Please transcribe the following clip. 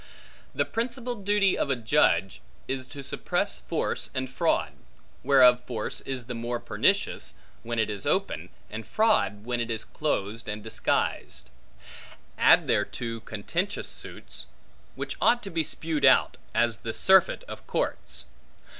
The principal duty of a judge, is to suppress force and fraud; whereof force is the more pernicious, when it is open, and fraud, when it is close and disguised. Add thereto contentious suits, which ought to be spewed out, as the surfeit of courts.